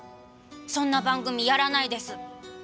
そんな番組やらないです。